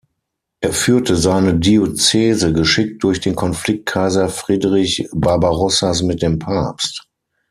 Er führte seine Diözese geschickt durch den Konflikt Kaiser Friedrich Barbarossas mit dem Papst.